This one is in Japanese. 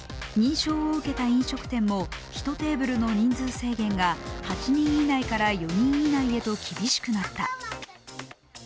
認証を受けた飲食店も１テーブルの人数制限が８人以内から４人以内へと厳しくなった。